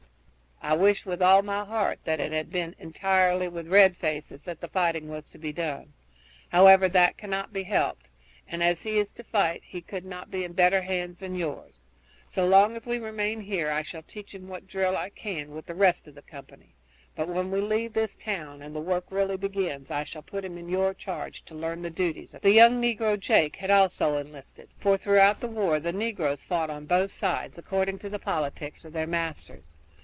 I wish with all my heart that it had been entirely with red foes that the fighting was to be done. However, that cannot be helped, and as he is to fight he could not be in better hands than yours. So long as we remain here I shall teach him what drill I can with the rest of the company, but when we leave this town and the work really begins, I shall put him in your charge to learn the duties of a scout." The young negro Jake had also enlisted, for throughout the war the negroes fought on both sides, according to the politics of their masters.